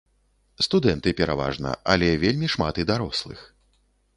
Студэнты пераважна, але вельмі шмат і дарослых.